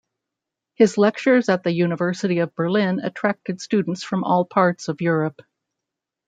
His lectures at the University of Berlin attracted students from all parts of Europe.